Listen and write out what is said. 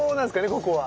ここは。